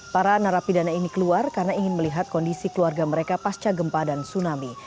para narapidana ini keluar karena ingin melihat kondisi keluarga mereka pasca gempa dan tsunami